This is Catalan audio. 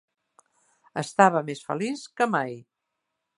Estava més feliç que mai.